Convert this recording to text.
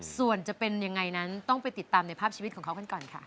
ส่วนจะเป็นยังไงนั้นต้องไปติดตามในภาพชีวิตของเขากันก่อนค่ะ